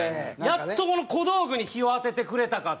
やっと小道具に日を当ててくれたか！